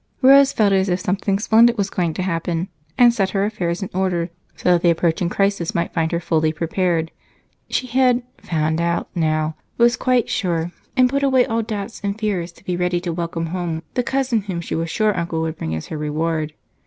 Rose felt as if something splendid was going to happen and set her affairs in order so that the approaching crisis might find her fully prepared. She had "found out" now, was quite sure, and put away all doubts and fears to be ready to welcome home the cousin whom she was sure Uncle would bring as her reward.